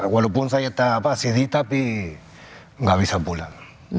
walaupun saya siri tapi nggak bisa pulang